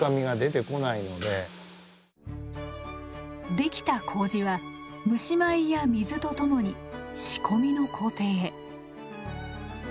できた麹は蒸米や水とともに仕込みの工程へ。